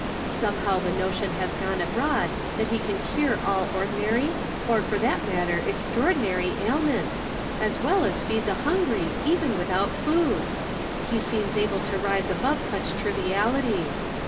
Somehow the notion has gone abroad that he can cure all or dinary, or for that matter extraordinary, ailments, iis well as feed the hungry, even without food ! He seems able to lise above such trivialities.